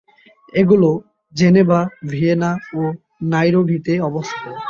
এগুলো Geneva, Vienna ও নাইরোবিতে অবস্থিত।